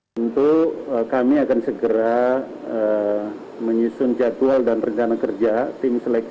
tentu kami akan segera menyusun jadwal dan rencana kerja tim seleksi